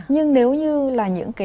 nhưng nếu như là những cái